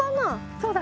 そうだね。